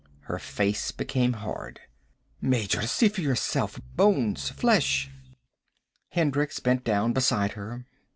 Her face became hard. "Major, see for yourself. Bones. Flesh." Hendricks bent down beside her.